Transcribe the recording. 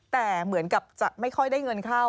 แต่เหมือนกับจะไม่ค่อยได้เงินเข้า